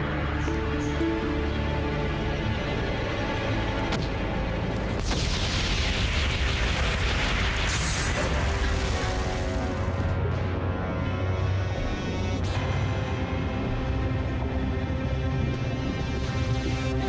ayah siap ikan